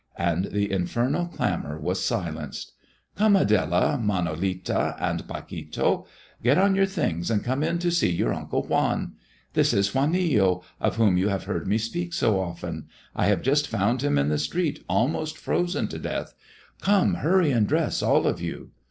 And the infernal clamor was silenced. "Come, Adela, Manolita, and Paquito, get on your things and come in to see your uncle Juan. This is Juanillo, of whom you have heard me speak so often. I have just found him in the street almost frozen to death. Come, hurry and dress, all of you."